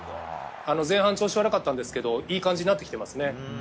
前半調子悪かったんですがいい感じになっていますね。